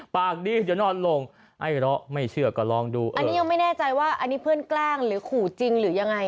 ปากดีเดี๋ยวนอนลงไอเลาะไม่เชื่อก็ลองดูอันนี้ยังไม่แน่ใจว่าอันนี้เพื่อนแกล้งหรือขู่จริงหรือยังไง